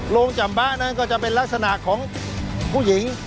จำบ๊ะนั้นก็จะเป็นลักษณะของผู้หญิง